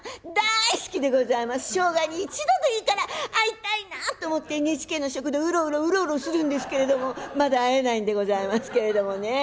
生涯に一度でいいから会いたいなっと思ってＮＨＫの食堂うろうろうろうろするんですけれどもまだ会えないんでございますけれどもね。